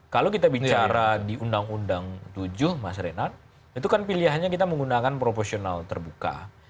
kalau kita bicara di undang undang tujuh mas renan itu kan pilihannya kita menggunakan proporsional terbuka